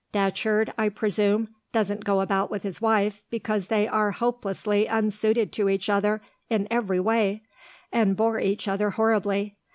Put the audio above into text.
Datcherd, I presume, doesn't go about with his wife because they are hopelessly unsuited to each other in every way, and bore each other horribly.